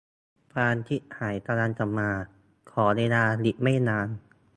ความชิบหายกำลังจะมา ขอเวลาอีกไม่นาน